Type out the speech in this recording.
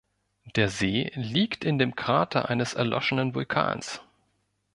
Der See liegt in dem Krater eines erloschenen Vulkans.